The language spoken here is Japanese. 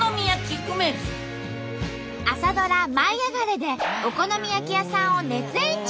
朝ドラ「舞いあがれ！」でお好み焼き屋さんを熱演中！